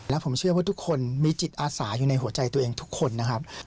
และผมเชื่อว่าทุกคนมีจิตอาสาอยู่ในหัวใจตัวเองทุกคนนะครับ